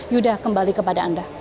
yudha kembali kepada anda